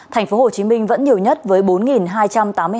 thành phố hồ chí minh vẫn nhiều nhất với bốn hai trăm tám mươi hai ca